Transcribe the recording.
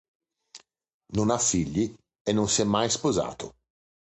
Non ha figli e non si è mai sposato.